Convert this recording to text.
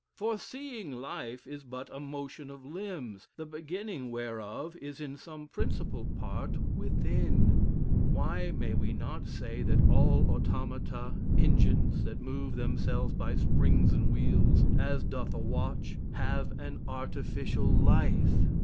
For seeing life is but a motion of limbs, the beginning whereof is in some principal part within; why may we not say that all automata (engines that move themselves by springs and wheels, as doth a watch) have an artificial life?